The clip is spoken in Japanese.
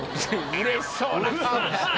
嬉しそうな顔して。